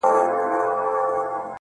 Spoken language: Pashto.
څه د اضدادو مجموعه یې د بلا لوري.